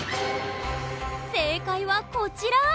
正解はこちら！